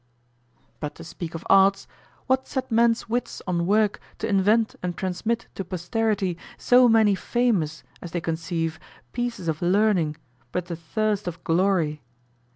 But to speak of arts, what set men's wits on work to invent and transmit to posterity so many famous, as they conceive, pieces of learning but the thirst of glory?